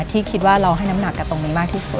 ที่คิดว่าเราให้น้ำหนักกับตรงนี้มากที่สุด